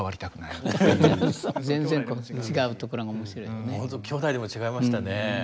ほんときょうだいでも違いましたね。